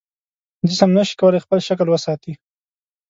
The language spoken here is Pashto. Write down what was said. جسم نشي کولی خپل شکل وساتي.